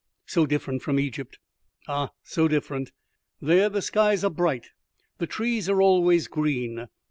"So different from Egypt ah, so different. There the skies are bright, the trees are always green.